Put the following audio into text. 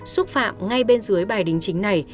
xuất phạm ngay bên dưới bài đính chính này